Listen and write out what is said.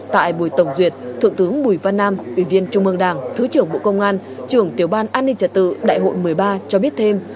tại buổi tổng duyệt thượng tướng bùi văn nam ủy viên trung mương đảng thứ trưởng bộ công an trưởng tiểu ban an ninh trật tự đại hội một mươi ba cho biết thêm